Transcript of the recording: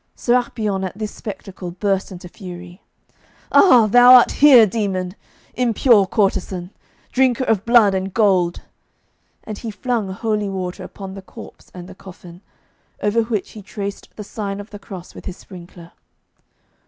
Sérapion, at this spectacle, burst into fury: 'Ah, thou art here, demon! Impure courtesan! Drinker of blood and gold! 'And he flung holy water upon the corpse and the coffin, over which he traced the sign of the cross with his sprinkler.